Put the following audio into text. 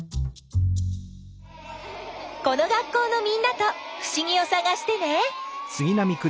この学校のみんなとふしぎをさがしてね。